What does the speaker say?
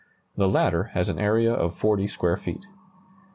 The latter has an area of 40 square feet.